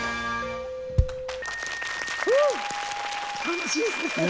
楽しいですね。